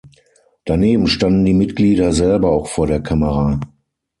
Daneben standen die Mitglieder selber auch vor der Kamera.